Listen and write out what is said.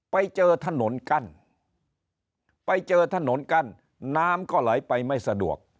ไปเจอถนนกั้นไปเจอถนนกั้นน้ำก็ไหลไปไม่สะดวก